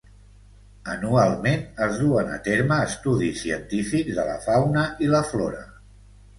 Anualment es duen a terme estudis científics de la fauna i la flora.